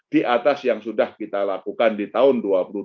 di atas yang sudah kita lakukan di tahun dua ribu dua puluh